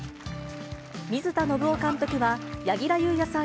水田伸生監督は、柳楽優弥さん